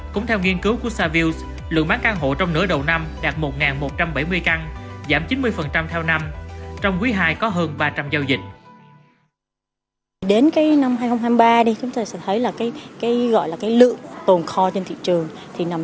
cũng theo nghiên cứu của savills lượng bán căn hộ trong nửa đầu năm đạt một một trăm bảy mươi căn giảm chín mươi theo năm